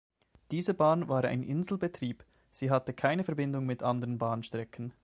Diese Bahn war ein Inselbetrieb, sie hatte keine Verbindung mit anderen Bahnstrecken.